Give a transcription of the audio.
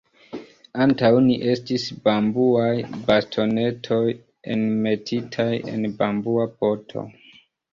Antaŭ ni estis bambuaj bastonetoj enmetitaj en bambua poto.